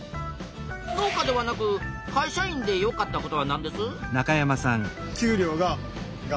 農家ではなく会社員でよかったことはなんです？